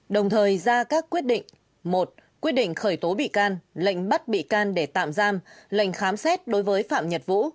đồng thời ra các quyết định một quyết định khởi tố bị can lệnh bắt bị can để tạm giam lệnh khám xét đối với phạm nhật vũ